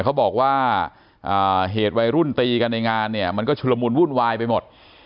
เขาบอกว่าเหตุวัยรุ่นตีกันในงานเนี่ยมันก็ชุลมุนวุ่นวายไปหมด